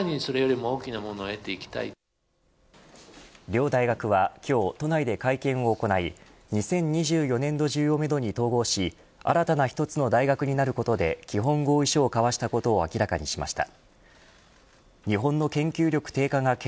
両大学は今日、都内で会見を行い２０２４年度中をめどに統合し新たな１つの大学になることで基本合意書を交わしたことを明らかにしました。